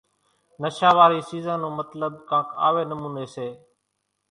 نشا واري سيزان نو مطلٻ ڪانڪ آوي نموني سي